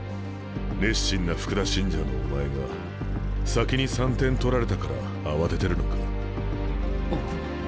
熱心な福田信者のお前が先に３点取られたから慌ててるのか？